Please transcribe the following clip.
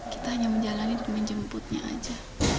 kita hanya menjalani dan menjemputnya aja